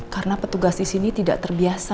karena petugas di sini tidak terbiasa